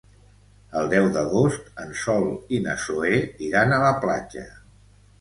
El deu d'agost en Sol i na Zoè iran a la platja.